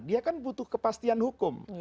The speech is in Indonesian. dia kan butuh kepastian hukum